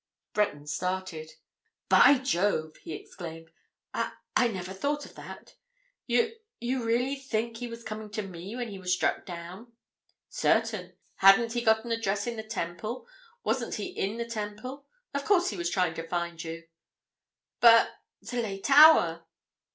Breton started. "By Jove!" he exclaimed. "I—I never thought of that. You—you really think he was coming to me when he was struck down?" "Certain. Hadn't he got an address in the Temple? Wasn't he in the Temple? Of course, he was trying to find you." "But—the late hour?"